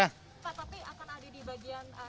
pak tapi akan ada di bagian